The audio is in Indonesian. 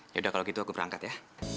yaudah kalau gitu aku berangkat ya